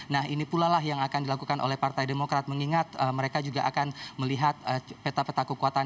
nah ini pula lah yang akan dilakukan oleh partai demokrat mengingat mereka juga akan melihat peta peta kekuatan